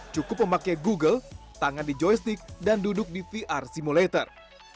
cukup memakai google tangan di joystick dan duduk di vr simulator